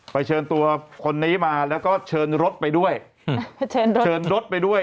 ไปเชิญตัวคนนี้มาแล้วก็เชิญรถไปด้วย